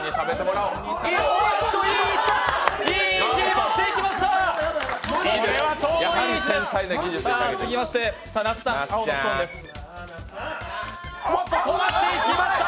いい位置へ持っていきました。